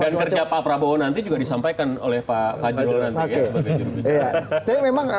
dan kerja pak prabowo nanti juga disampaikan oleh pak fajro nanti ya sebagai juru bicara